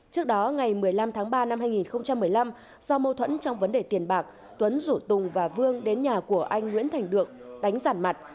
trước đó ngày một mươi năm tháng ba năm hai nghìn một mươi năm do mâu thuẫn trong vấn đề tiền bạc tuấn rủ tùng và vương đến nhà của anh nguyễn thành đượm đánh rản mặt